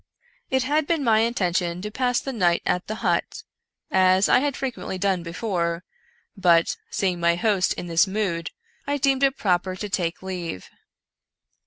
It had been my intention to pass the night at the hut, as I had frequently done before, but, see ing my host in this mood, I deemed it proper to take leave.